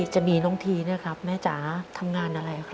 ช่างมีเมื่อไหร่ของอะไรก็แบบผม